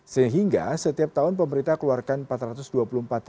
sehingga setiap tahun pemerintah keluarkan pemerintah